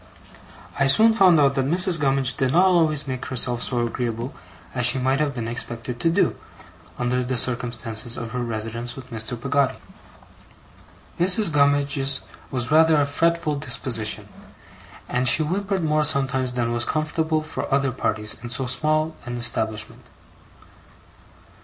I soon found out that Mrs. Gummidge did not always make herself so agreeable as she might have been expected to do, under the circumstances of her residence with Mr. Peggotty. Mrs. Gummidge's was rather a fretful disposition, and she whimpered more sometimes than was comfortable for other parties in so small an establishment.